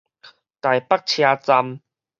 臺北車站